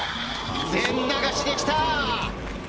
全流しで来た！